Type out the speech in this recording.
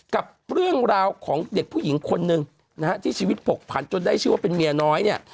กับเรื่องราวของเด็กผู้หญิงคนหนึ่งนะฮะที่ชีวิตผกผันจนได้ชื่อว่าเป็นเมียน้อยเนี่ย